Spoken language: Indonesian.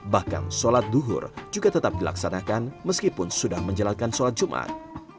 bahkan sholat duhur juga tetap dilaksanakan meskipun sudah menjalankan sholat jumat